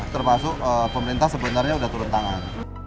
termasuk pemerintah sebenarnya sudah turun tangan